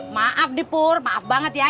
maaf nih pur maaf banget ya